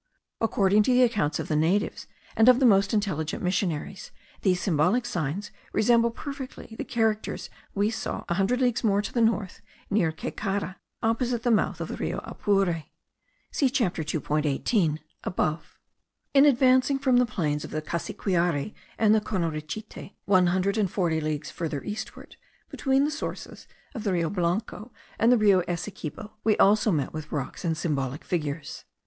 According to the accounts of the natives, and of the most intelligent missionaries, these symbolic signs resemble perfectly the characters we saw a hundred leagues more to the north, near Caycara, opposite the mouth of the Rio Apure. (See Chapter 2.18 above.) In advancing from the plains of the Cassiquiare and the Conorichite, one hundred and forty leagues further eastward, between the sources of the Rio Blanco and the Rio Essequibo, we also meet with rocks and symbolical figures.